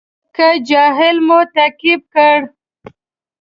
که جاهل مو تعقیب کړ.